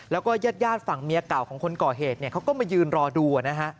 แล้วก็ญาติฝั่งเมียเก่าของคนก่อเหตุเขาก็มายืนรอดูนะฮะ